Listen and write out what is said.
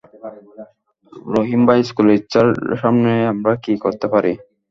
রহিম ভাই স্কুলের ইচ্ছার সামনে আমরা কি করতে পারি?